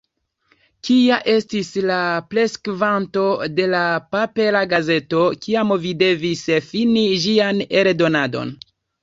Kia estis la preskvanto de la papera gazeto, kiam vi devis fini ĝian eldonadon?